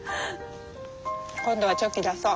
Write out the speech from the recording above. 今度はチョキ出そう。